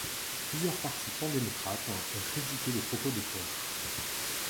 Plusieurs partis pan-démocrates ont critiqué les propos de Tong.